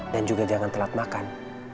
dan juga jangan telat makan